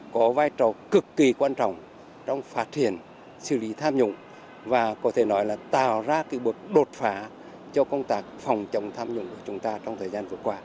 có vai trò cực kỳ quan trọng trong phát triển xử lý tham nhũng và có thể nói là tạo ra cái bước đột phá cho công tác phòng chống tham nhũng của chúng ta trong thời gian vừa qua